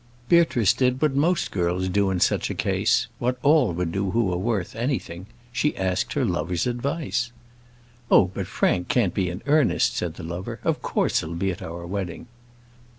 Beatrice did what most girls do in such a case; what all would do who are worth anything; she asked her lover's advice. "Oh! but Frank can't be in earnest," said the lover. "Of course he'll be at our wedding."